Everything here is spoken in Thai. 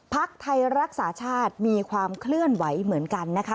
พักไทยรักษาชาติมีความเคลื่อนไหวเหมือนกันนะคะ